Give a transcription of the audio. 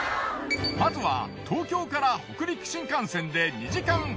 まずは東京から北陸新幹線で。